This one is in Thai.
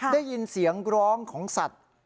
ได้ยินเสียงร้องของสัตว์